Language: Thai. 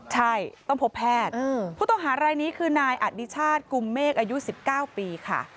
ใช่ต้องพบแพทย์ผู้ต้องหารายนี้คือนายอดิชาติกุมเมฆอายุ๑๙ปีค่ะ